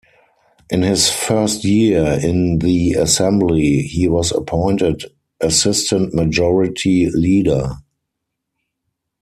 In his first year in the Assembly, he was appointed Assistant Majority Leader.